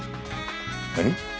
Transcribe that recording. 何？